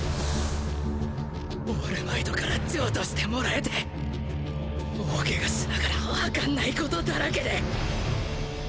オールマイトから譲渡してもらえて大怪我しながらわかんないことだらけで